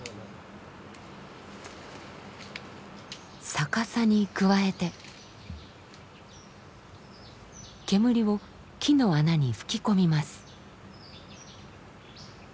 逆さにくわえて煙を木の穴に吹き込みます。